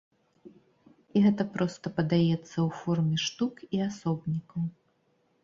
І гэта проста падаецца ў форме штук і асобнікаў.